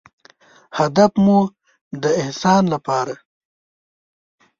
هدف مو د احسان لپاره